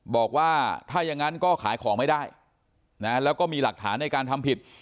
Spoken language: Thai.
บอกว่าถ้าอย่างนั้นก็ขายของไม่ได้นะแล้วก็มีหลักฐานในการทำผิด